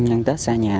ăn tết xa nhà